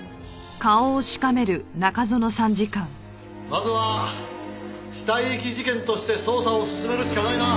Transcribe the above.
まずは死体遺棄事件として捜査を進めるしかないな。